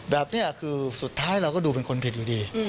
แบบนี้คือสุดท้ายเราก็ดูเป็นคนผิดอยู่ดี